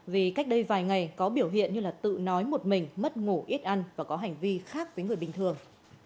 vì cách đây vài ngày có biểu hiện như tự nói một mình mất ngủ ít ăn và có hành vi khác với người bình thường